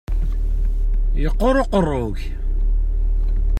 Yeqqur uqerru-k.